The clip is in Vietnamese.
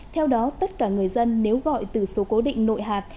theo đó tất cả người dân nếu gọi từ số cố định nội hạt